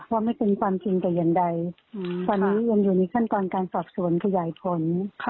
ว่าไม่เป็นความจริงแต่อย่างใดตอนนี้ยังอยู่ในขั้นตอนการสอบสวนขยายผล